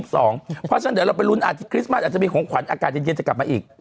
เพราะฉะนั้นเดี๋ยวเราไปรุ้นอาจจะคริสต์มัสอาจจะมีของขวัญอากาศเย็นจะกลับมาอีก